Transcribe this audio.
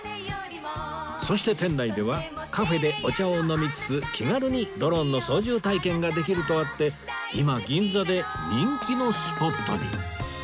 そして店内ではカフェでお茶を飲みつつ気軽にドローンの操縦体験ができるとあって今銀座で人気のスポットに